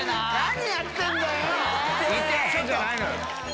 痛ぇ！じゃないのよ。